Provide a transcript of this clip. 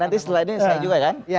nanti slide nya saya juga kan